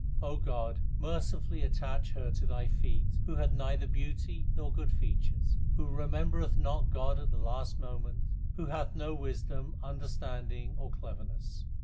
God, mercifully attach her to Thy feet Who hath neither beauty nor good features, Who remembereth not God at the last moment, Who hath no wisdom, understanding, or cleverness.